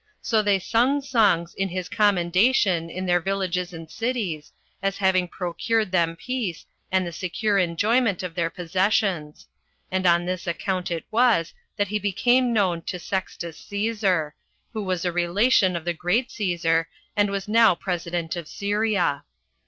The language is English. So they sung songs in his commendation in their villages and cities, as having procured them peace, and the secure enjoyment of their possessions; and on this account it was that he became known to Sextus Cæsar, who was a relation of the great Cæsar, and was now president of Syria.